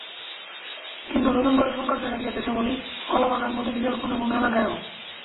কিন্তু নতুন করে সংকট দেখা দিয়েছে শ্যামলী, কলাবাগান, মতিঝিলের কোনো কোনো এলাকায়ও।